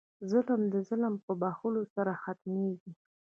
ظلم د ظلم په بښلو سره ختمېږي.